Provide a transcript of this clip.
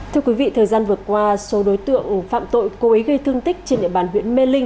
thưa quý vị thời gian vượt qua số đối tượng phạm tội cô ấy gây thương tích trên địa bàn huyện mê linh